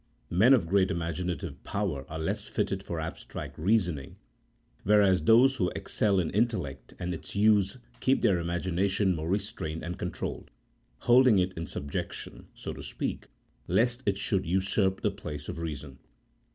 Men of great imaginative power are less fitted for abstract reasoning, whereas those who excel in intellect and its use keep their imagination more restrained and controlled, holding it in subjection, so to speak, lest it should usurp the place of reason.